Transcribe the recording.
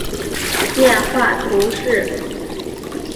科隆格人口变化图示